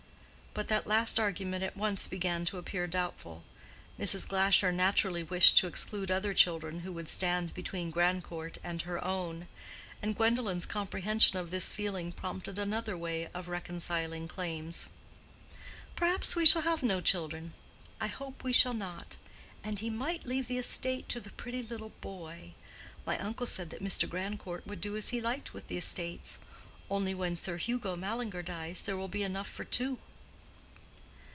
But that last argument at once began to appear doubtful. Mrs. Glasher naturally wished to exclude other children who would stand between Grandcourt and her own: and Gwendolen's comprehension of this feeling prompted another way of reconciling claims. "Perhaps we shall have no children. I hope we shall not. And he might leave the estate to the pretty little boy. My uncle said that Mr. Grandcourt could do as he liked with the estates. Only when Sir Hugo Mallinger dies there will be enough for two."